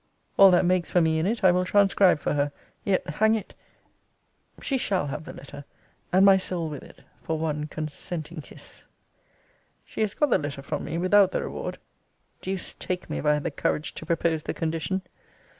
All that makes for me in it I will transcribe for her yet, hang it, she shall have the letter, and my soul with it, for one consenting kiss. She has got the letter from me without the reward. Deuce take me, if I had the courage to propose the condition.